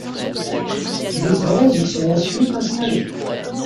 Des bancs y sont ensuite installés.